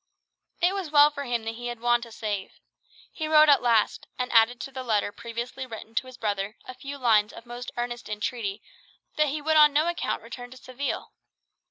It was well for him that he had Juan to save. He rose at last; and added to the letter previously written to his brother a few lines of most earnest entreaty that he would on no account return to Seville.